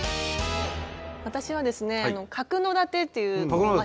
私はですね角館という町。